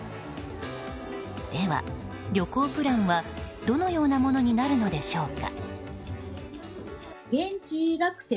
では、旅行プランはどのようなものになるのでしょうか。